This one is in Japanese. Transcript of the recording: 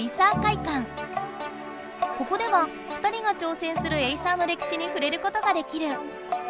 ここでは２人が挑戦するエイサーのれきしにふれることができる。